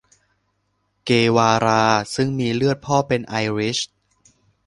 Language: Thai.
เกวารา ซึ่งมีเลือดพ่อเป็นไอริช